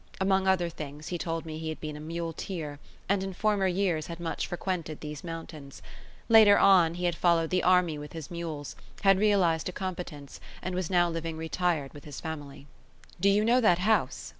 Among other things he told me he had been a muleteer, and in former years had much frequented these mountains; later on, he had followed the army with his mules, had realised a competence, and was now living retired with his family. "Do you know that house?"